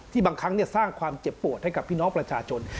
บางครั้งสร้างความเจ็บปวดให้กับพี่น้องประชาชน